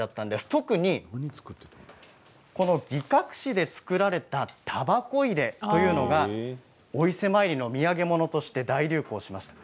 特に擬革紙で作られたたばこ入れというのがお伊勢参りの土産物として大流行しました。